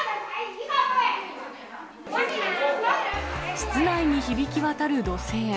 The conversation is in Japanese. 室内に響き渡る怒声。